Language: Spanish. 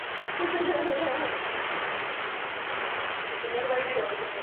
Pasa luego a la Universidad Hispalense de Sevilla, donde estudia un año.